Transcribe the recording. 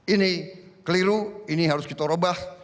ini keliru ini harus kita ubah